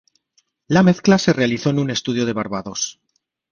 La mezcla se realizó en un estudio en Barbados.